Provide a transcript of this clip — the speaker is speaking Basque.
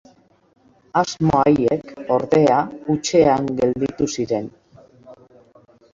Asmo haiek, ordea, hutsean gelditu ziren.